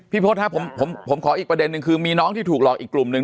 พศครับผมขออีกประเด็นนึงคือมีน้องที่ถูกหลอกอีกกลุ่มหนึ่ง